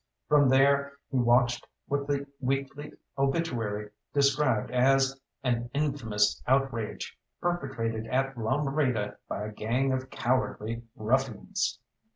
From there he watched what the Weekly Obituary described as "an infamous outrage, perpetrated at La Morita by a gang of cowardly ruffians."